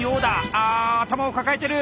あ頭を抱えてる！